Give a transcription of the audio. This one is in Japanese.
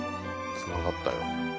つながったよ。